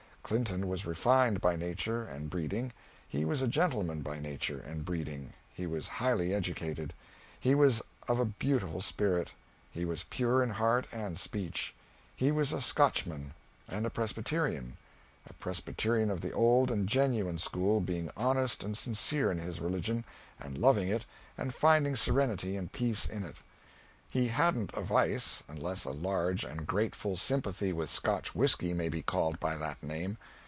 Clinton was refined by nature and breeding; he was a gentleman by nature and breeding; he was highly educated; he was of a beautiful spirit; he was pure in heart and speech. He was a Scotchman, and a Presbyterian; a Presbyterian of the old and genuine school, being honest and sincere in his religion, and loving it, and finding serenity and peace in it. He hadn't a vice unless a large and grateful sympathy with Scotch whiskey may be called by that name.